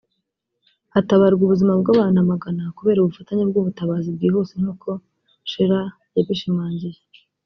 hatabarwa ubuzima bw’abantu amagana kubera ubufatanye bw’ubutabazi bwihuse nk’uko Shearer yabishimangiye